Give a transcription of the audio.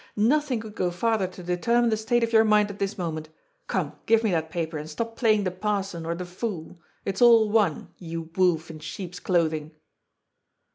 "Nothing could go farther to determine the state of your mind at this moment. Come, give me that paper, and stop playing the parson or the fool — it's all one, you wolf in sheep's clothing."